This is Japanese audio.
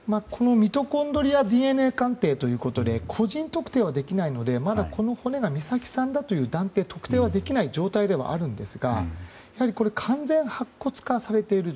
ミトコンドリアＤＮＡ鑑定ということで個人特定はできないのでまだ、この骨が美咲さんだという断定・特定はできない状況なんですがこれは完全白骨化されている